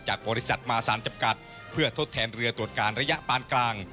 บริษัทมาสารจำกัดเพื่อทดแทนเรือตรวจการระยะปานกลาง